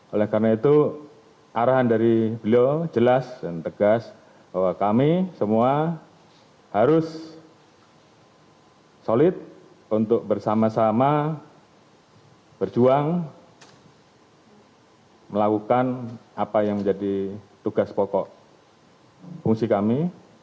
oleh karena itu arahan dari beliau jelas dan tegas bahwa kami semua harus solid untuk bersama sama berjuang melakukan apa yang menjadi tugas pokok fungsi kami